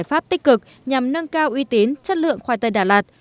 giải pháp tích cực nhằm nâng cao uy tín chất lượng khoai tây đà lạt